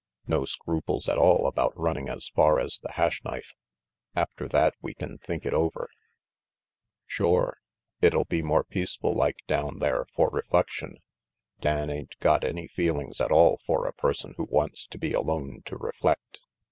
"No scruples at all about running as far as the Hash Knife. After that we can think it over." RANGY PETE "Shore, it'll be more peaceful like down for reflection. Dan ain't got any feelings at all for a person who wante to be alone to reflect.